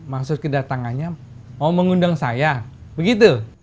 maksud kedatangannya mau mengundang saya begitu